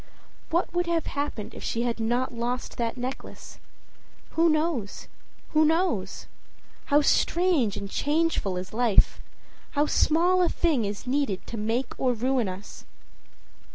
What would have happened if she had not lost that necklace? Who knows? who knows? How strange and changeful is life! How small a thing is needed to make or ruin us!